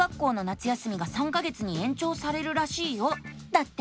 だって！